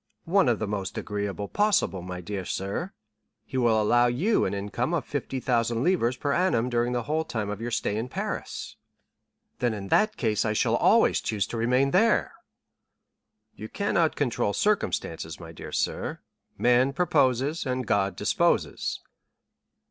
"One of the most agreeable possible, my dear sir; he will allow you an income of 50,000 livres per annum during the whole time of your stay in Paris." "Then in that case I shall always choose to remain there." "You cannot control circumstances, my dear sir; 'man proposes, and God disposes.